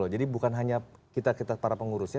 jadi bukan hanya kita para pengurusnya